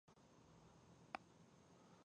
دغه غورهوالی به یې په بېلابېلو برخو کې په درد وخوري